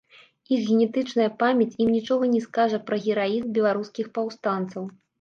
Іх генетычная памяць ім нічога не скажа пра гераізм беларускіх паўстанцаў.